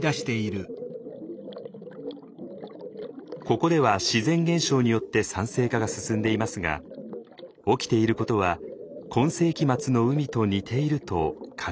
ここでは自然現象によって酸性化が進んでいますが起きていることは今世紀末の海と似ていると考えられています。